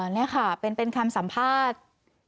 นี่ค่ะมันคือสัมภาษณ์